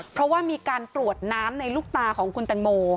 เพราะว่ามีการตรวจน้ำในลูกตาของคุณแตงโม